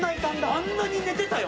あんなに寝てたよ